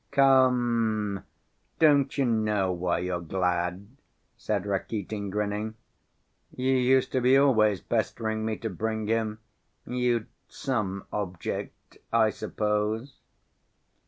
"Come, don't you know why you're glad?" said Rakitin, grinning. "You used to be always pestering me to bring him, you'd some object, I suppose."